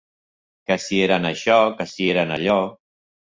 Que si eren això, que si eren allò